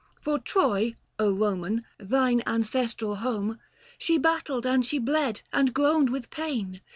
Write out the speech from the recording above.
For Troy — Eoman, thine ancestral home, 130 She battled and she bled and groaned with pain.